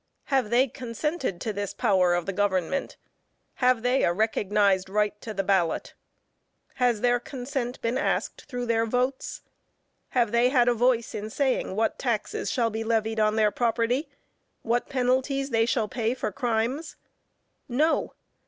Have they consented to this power of the government? Have they a recognized right to the ballot? Has their consent bean asked through their votes? Have they had a voice in saying what taxes shall be levied on their property, what penalties they shall pay for crimes? _No.